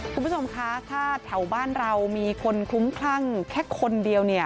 คุณผู้ชมคะถ้าแถวบ้านเรามีคนคลุ้มคลั่งแค่คนเดียวเนี่ย